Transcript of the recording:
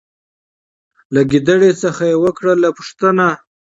له ګیدړ څخه یې وکړله پوښتنه